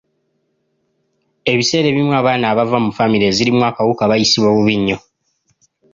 Ebiseera ebimu abaana abava mu famire ezirimu akawuka bayisibwa bubi nnyo.